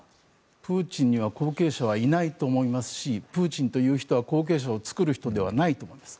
プーチンには後継者はいないと思いますしプーチンという人は後継者を作る人ではないと思います。